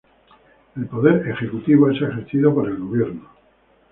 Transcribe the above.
El poder ejecutivo es ejercido por el gobierno.